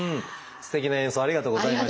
すてきな演奏ありがとうございました。